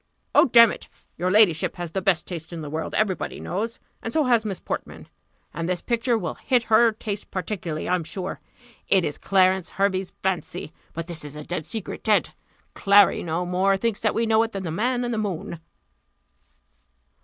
"Oh, damn it! your ladyship has the best taste in the world, every body knows; and so has Miss Portman and this picture will hit her taste particularly, I'm sure. It is Clarence Hervey's fancy; but this is a dead secret dead Clary no more thinks that we know it, than the man in the moon."